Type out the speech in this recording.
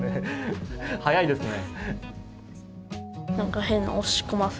速いですね。